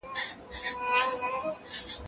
د لمر وړانګې فزیکي ځواک زیاتوي.